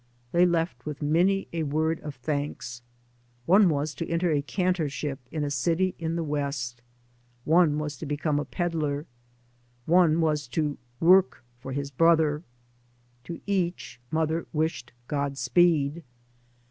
They left with many a word of thanks. One was to enter a cantorship in a city tn the west. One was to become a pedlar. One was to " work for " his brother. To each mother wished god speed.